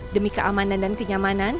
demi keamanan dan kenyamanan